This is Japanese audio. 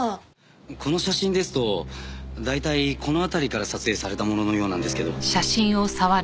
この写真ですと大体この辺りから撮影されたもののようなんですけど。